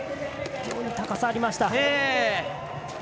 非常に高さありました。